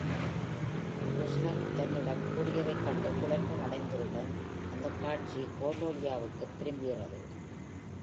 க்ரூஸலக் தன்னிடம் கூறியதைக் கண்டு குழப்பமடைந்ததுடன், அந்தக் காட்சி கோர்டெலியாவுக்குத் திரும்புகிறது.